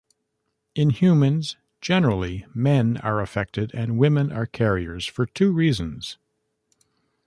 In humans, "generally" "men are affected and women are carriers" for two reasons.